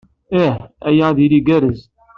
Ih. Aya ad d-yili igerrez.